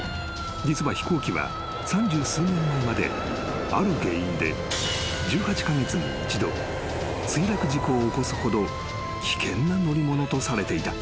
実は飛行機は三十数年前まである原因で１８カ月に一度墜落事故を起こすほど危険な乗り物とされていた］